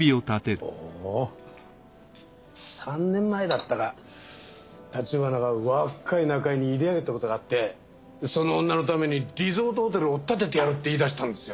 ３年前だったか立花が若い仲居に入れあげたことがあってその女のためにリゾートホテルをおっ建ててやるって言いだしたんですよ。